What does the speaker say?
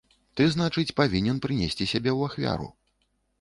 Ты, значыць, павінен прынесці сябе ў ахвяру.